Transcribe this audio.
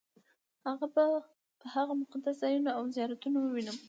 هلته به هغه مقدس ځایونه او زیارتونه ووینم.